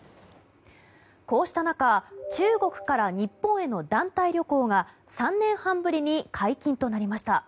こうした中中国から日本への団体旅行が３年半ぶりに解禁となりました。